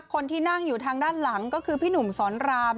คนที่นั่งอยู่ทางด้านหลังก็คือพี่หนุ่มสอนราม